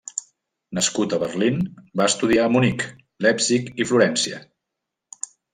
Nascut a Berlín va estudiar a Munic, Leipzig i Florència.